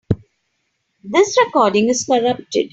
This recording is corrupted.